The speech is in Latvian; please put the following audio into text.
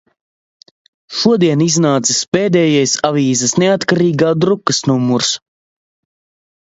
Šodien iznācis pēdējais avīzes "Neatkarīgā" drukas numurs.